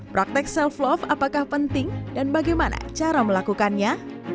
praktek self love apakah penting dan bagaimana cara melakukannya